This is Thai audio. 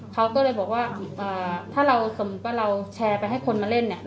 เขาก็เลยบอกว่าถ้าเราสมมุติว่าเราแชร์ไปให้คนมาเล่นเนี่ย